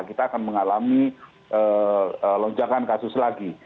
kita akan mengalami lonjakan kasus lagi